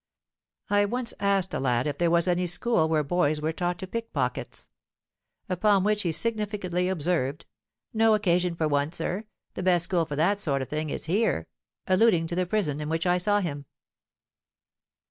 I once asked a lad if there was any school where boys were taught to pick pockets? Upon which he significantly observed, 'No occasion for one, sir: the best school for that sort of thing is HERE!' alluding to the prison in which I saw him."